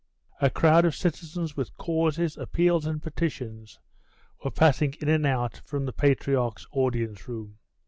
A crowd of citizens with causes, appeals, and petitions, were passing in and out from the patriarch's audience room.